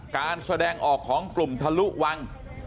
การแสดงออกของกลุ่มทะลุวัง